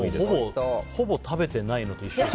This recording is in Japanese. ほぼ食べてないのと一緒。